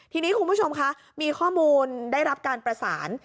ทีนี้คุณผู้ชมคะมีข้อมูลได้รับการประสาน